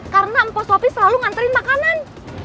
karena empos sopi selalu nganterin makanan